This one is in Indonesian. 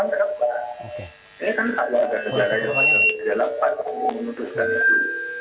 ini kan salah dari dalam pak yang memutuskan itu